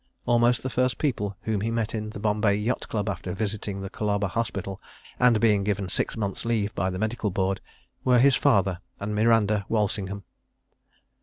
... Almost the first people whom he met in the Bombay Yacht Club after visiting the Colaba Hospital and being given six months' leave by the Medical Board, were his father and Miranda Walsingham.